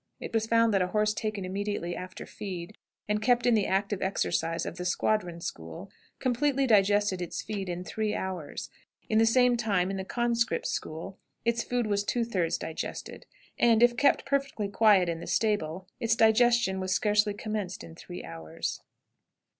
It was found that a horse taken immediately after "feed," and kept in the active exercise of the "squadron school," completely digested its "feed" in three hours; in the same time in the "conscript's school" its food was two thirds digested; and if kept perfectly quiet in the stable, its digestion was scarcely commenced in three hours.